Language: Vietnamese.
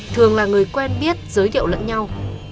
thường là người quen biết giới thiệu lẫn nhau